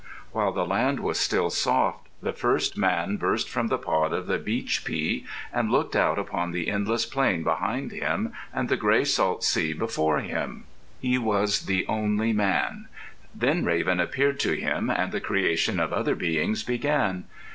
While the land was still soft, the first man burst from the pod of the beach pea and looked out upon the endless plain behind him and the gray salt sea before him. He was the only man. Then Raven appeared to him and the creation of other beings began.